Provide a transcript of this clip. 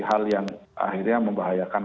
hal yang akhirnya membahayakan